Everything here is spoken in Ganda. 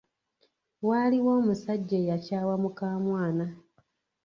Waaliwo omusajja eyakyawa mukamwana.